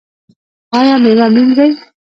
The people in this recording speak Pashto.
ایا میوه مینځئ؟